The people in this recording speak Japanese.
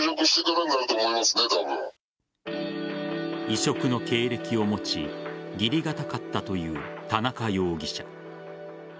異色の経歴を持ち義理堅かったという田中容疑者。